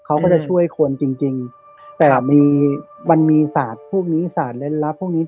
เขาคุยจะช่วยควรจริงจริงแต่มันมีสาดพวกนี้สาดเรียนรับผู้นี้